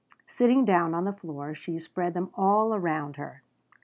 Sitting down on the floor she spread them all around her.